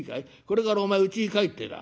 これからお前うちに帰ってだ